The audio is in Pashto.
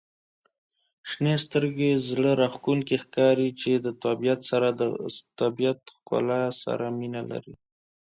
• شنې سترګي زړه راښکونکي ښکاري چې د طبیعت د ښکلا سره مینه لري.